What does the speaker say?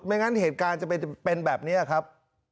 งั้นเหตุการณ์จะเป็นแบบนี้ครับ